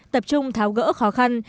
tập trung tháo gỡ khó khăn